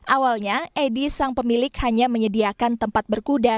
awalnya edi sang pemilik hanya menyediakan tempat berkuda